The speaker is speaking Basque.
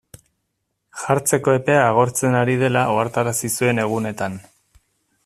Jartzeko epea agortzen ari dela ohartarazi zuen egunetan.